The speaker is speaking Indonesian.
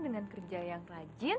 dengan kerja yang rajin